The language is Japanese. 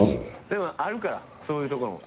でもあるからそういうところも。